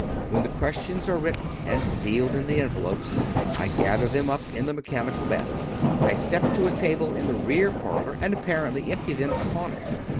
When the questions are written and sealed in the envelopes, I gather them up in the mechanical basket; I step to a table in the rear parlor and apparently empty them upon it.